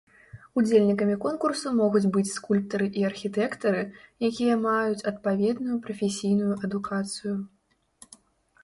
Удзельнікамі конкурсу могуць быць скульптары і архітэктары, якія маюць адпаведную прафесійную адукацыю.